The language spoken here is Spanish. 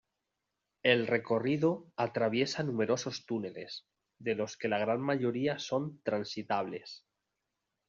El recorrido atraviesa numerosos túneles, de los que la gran mayoría son transitables.